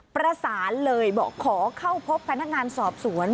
ประสานเลยบอกขอเข้าพบพนักงานสอบสวน